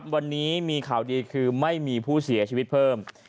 วันนี้มีข่าวดีคือไม่มีผู้เสียชีวิตเพิ่ม